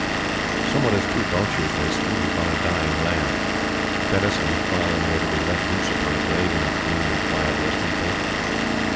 Somewhat as two vultures may swoop upon a dying lamb, Fettes and Macfarlane were to be let loose upon a grave in that green and quiet resting place.